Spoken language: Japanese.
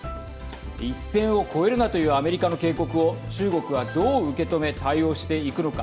一線を越えるなというアメリカの警告を中国はどう受け止め対応していくのか。